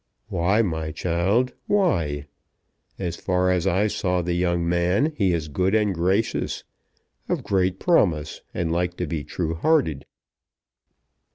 "Why, my child, why? As far as I saw the young man he is good and gracious, of great promise, and like to be true hearted."